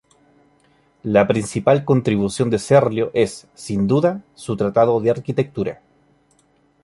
La principal contribución de Serlio es, sin duda, su tratado de arquitectura.